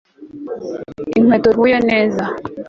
Inkweto zihuye neza